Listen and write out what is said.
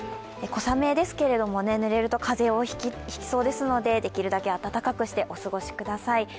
小雨ですけれども、ぬれると風邪を引きそうですのでできるだけ暖かくしてお過ごしください。